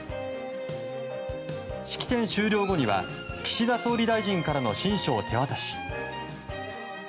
式典終了後には岸田総理大臣からの親書を手渡し。